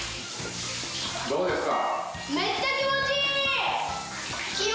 どうですか？